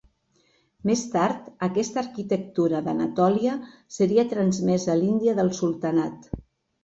Més tard, aquesta arquitectura d'Anatòlia seria transmesa a l'Índia del Sultanat.